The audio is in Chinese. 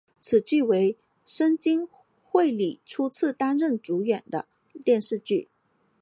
此剧为深津绘里初次担任主演的电视剧。